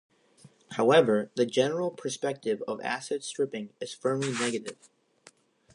However, the general perspective of asset stripping is firmly negative.